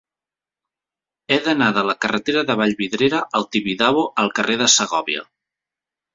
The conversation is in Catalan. He d'anar de la carretera de Vallvidrera al Tibidabo al carrer de Segòvia.